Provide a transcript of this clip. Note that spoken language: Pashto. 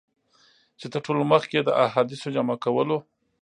چي تر ټولو مخکي یې د احادیثو جمع کولو.